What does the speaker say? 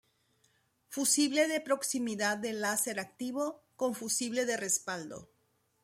Fusible de proximidad de láser activo con fusible de respaldo.